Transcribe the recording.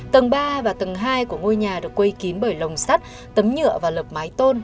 tầng ba và tầng hai của ngôi nhà được quây kín bởi lồng sắt tấm nhựa và lợp mái tôn